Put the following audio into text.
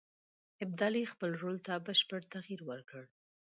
ابدالي خپل رول ته بشپړ تغییر ورکړ.